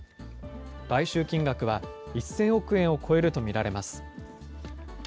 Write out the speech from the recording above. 買収金額は１０００億円を超えると見られます。